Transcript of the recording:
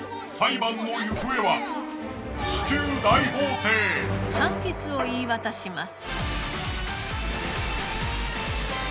判決を言い渡します！